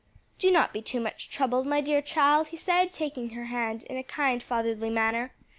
"Do not be too much troubled, my dear child," he said, taking her hand in a kind fatherly manner.